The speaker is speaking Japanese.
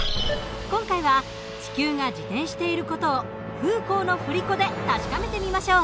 今回は地球が自転している事をフーコーの振り子で確かめてみましょう。